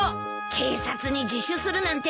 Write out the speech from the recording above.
警察に自首するなんて何したの？